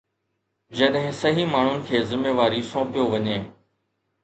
جڏهن صحيح ماڻهن کي ذميواري سونپيو وڃي.